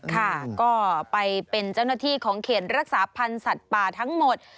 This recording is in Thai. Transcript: ค่ะก็ไปเป็นเจ้าหน้าที่ของเขตรักษาพันธ์สัตว์ป่าทั้งหมด